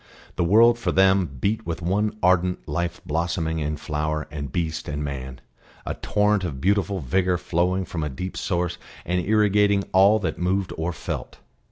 The world, for them, beat with one ardent life blossoming in flower and beast and man, a torrent of beautiful vigour flowing from a deep source and irrigating all that moved or felt.